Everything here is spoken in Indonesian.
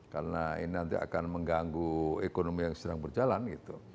karena ini nanti akan mengganggu ekonomi yang sedang berjalan gitu